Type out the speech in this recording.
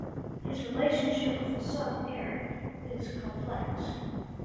His relationship with his son Eric is complex.